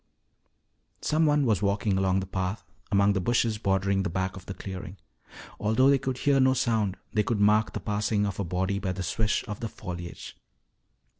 Someone was walking along the path among the bushes bordering the back of the clearing. Although they could hear no sound, they could mark the passing of a body by the swish of the foliage.